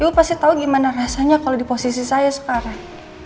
ibu pasti tau gimana rasanya kalo di posisi saya sekarang